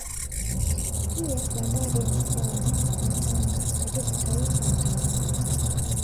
Pia Bandari ya Mtwara na Tanga katika taifa la Tanzania